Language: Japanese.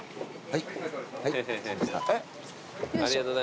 はい。